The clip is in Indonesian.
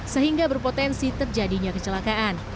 sehingga berpotensi terjadinya kecelakaan